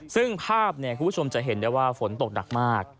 ซึ่งภาพคุณผู้ชมจะเห็นได้ว่าฝนตกหนักมาก